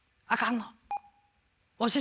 あかんの？